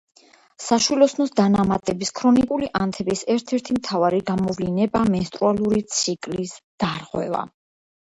საშვილოსნოს დანამატების ქრონიკული ანთების ერთ-ერთი მთავარი გამოვლინებაა მენსტრუაციული ციკლის დარღვევა.